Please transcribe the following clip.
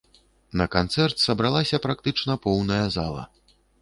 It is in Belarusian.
На канцэрт сабралася практычна поўная зала.